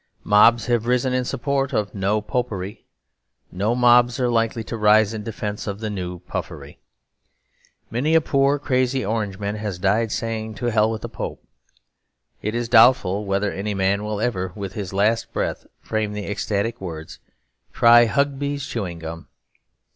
Mobs have risen in support of No Popery; no mobs are likely to rise in defence of the New Puffery. Many a poor crazy Orangeman has died saying, 'To Hell with the Pope'; it is doubtful whether any man will ever, with his last breath, frame the ecstatic words, 'Try Hugby's Chewing Gum.'